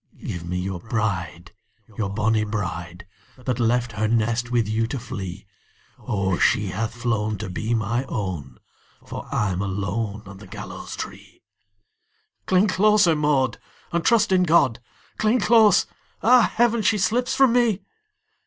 "Give me your bride, your bonnie bride, That left her nest with you to flee! O, she hath flown to be my own, For I'm alone on the gallows tree!" "Cling closer, Maud, and trust in God! Cling close! Ah, heaven, she slips from me!"